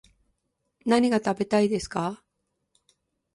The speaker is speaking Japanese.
何が食べたいですか